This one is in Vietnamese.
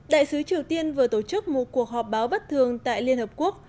đại sứ triều tiên vừa tổ chức một cuộc họp báo bất thường tại liên hợp quốc